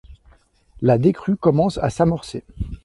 La décrue commence à s'amorcer.